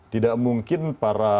tidak mungkin para